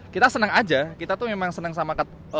kita senang aja kita tuh memang senang sama